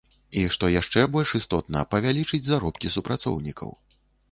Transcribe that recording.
І што яшчэ больш істотна, павялічыць заробкі супрацоўнікаў.